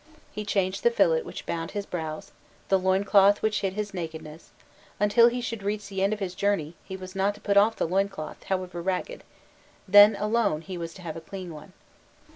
He changed the fillet which bound his brows, the loincloth which hid his nakedness: until he should reach the end of his journey, he was not to put off the loin cloth, however ragged; then alone was he to have a clean one."